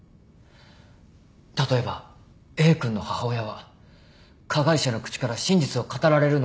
例えばＡ君の母親は加害者の口から真実を語られるのを望んでいるのです。